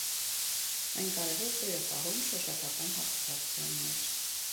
Այն կարևոր դեր է խաղում շոշափական հաղորդակցության մեջ։